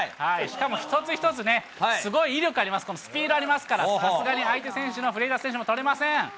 しかも、一つ一つね、すごい威力ありますから、このスピードありますから、さすがに相手選手の選手もとれません。